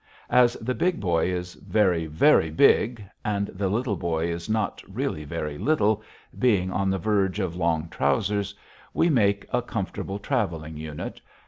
As the Big Boy is very, very big, and the Little Boy is not really very little, being on the verge of long trousers, we make a comfortable traveling unit.